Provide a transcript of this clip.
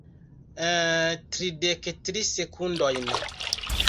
... tridek tri sekundojn